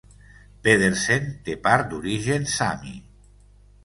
Pedersen té part d'origen sami.